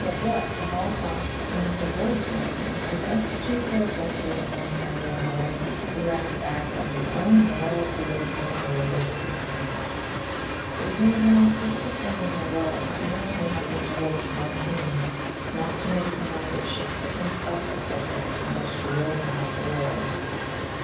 But what, at all costs, he must avoid doing is to substitute for a portrait of one kind or another the rag bag of his own moral, political or religious opinions. It is one of the most difficult things in the world for anyone who happens to hold strong opinions not to make the mind of Shakespeare himself a pulpit from which to roar them at the world.